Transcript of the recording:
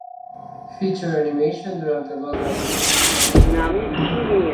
Feature Animation durante dos años.